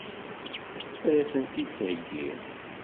Ad as-tent-id-theggi?